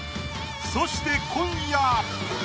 そして今夜。